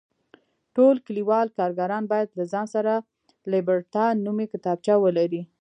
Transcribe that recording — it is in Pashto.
ټول کلیوالي کارګران باید له ځان سره لیبرټا نومې کتابچه ولري.